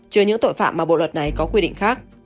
trừ những tội phạm mà bộ luật này có quy định khác